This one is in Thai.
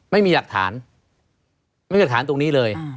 ไม่มีหลักฐานไม่มีหลักฐานตรงนี้เลย